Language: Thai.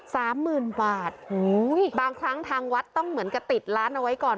สามหมื่นบาทโอ้โหบางครั้งทางวัดต้องเหมือนกับติดร้านเอาไว้ก่อน